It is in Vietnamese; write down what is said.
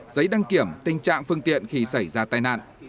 giấy đăng kiểm tình trạng phương tiện khi xảy ra tai nạn